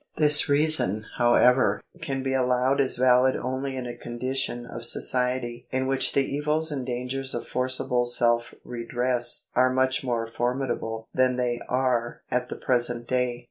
This reason, however, can be allowed as valid only in a con dition of society in which the evils and dangers of forcible self redress are much more formidable than they are at the present day.